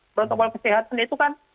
protokol kesehatan itu kan